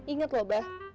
ingat loh bah